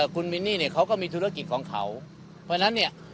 คุณมินนี่เนี่ยเขาก็มีธุรกิจของเขาเพราะฉะนั้นเนี่ย